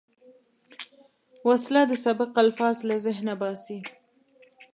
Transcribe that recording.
وسله د سبق الفاظ له ذهنه باسي